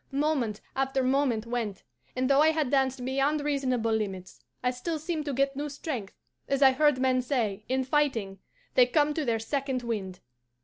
Moment after moment went, and though I had danced beyond reasonable limits, I still seemed to get new strength, as I have heard men say, in fighting, they 'come to their second wind.